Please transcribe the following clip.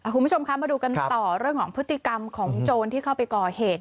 คุณผู้ชมคะมาดูกันต่อเรื่องของพฤติกรรมของโจรที่เข้าไปก่อเหตุ